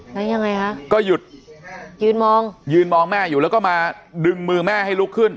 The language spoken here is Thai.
แล้วยังไงคะก็หยุดยืนมองยืนมองแม่อยู่แล้วก็มาดึงมือแม่ให้ลุกขึ้น